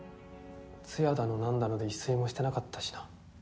通夜だの何だので一睡もしてなかったしな。